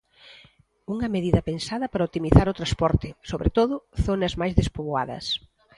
Unha medida pensada para optimizar o transporte, sobre todo zonas máis despoboadas.